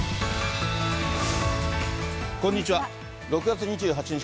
６月２８日